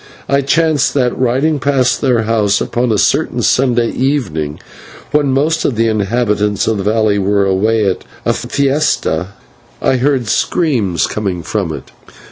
It chanced that, riding past their house upon a certain Sunday evening, when most of the inhabitants of the valley were away at a /fiesta/, I heard screams coming from it.